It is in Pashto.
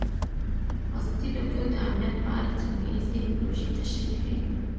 ازادي راډیو د امنیت په اړه سیمه ییزې پروژې تشریح کړې.